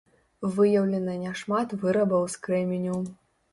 Выяўлена няшмат вырабаў з крэменю.